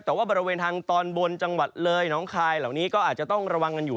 แต่ว่าบริเวณทางตอนบนจังหวัดเลยน้องคายเหล่านี้ก็อาจจะต้องระวังกันอยู่